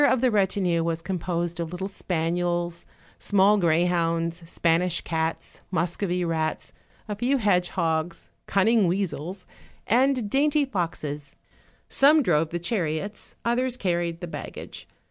193 of the retinue was composed of little spaniels, small greyhounds, Spanish cats, Muscovy rats, a few hedge hogs, cunning weasels, and dainty foxes; some drove the chariots, others carried the baggage.